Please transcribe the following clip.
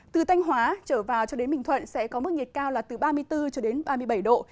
từ thanh hóa trở vào cho đến bình thuận sẽ có mức nhiệt cao là từ ba mươi bốn cho đến ba mươi bảy độ